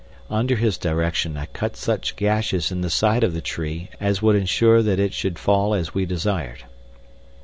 Under his direction I cut such gashes in the sides of the trees as would ensure that it should fall as we desired.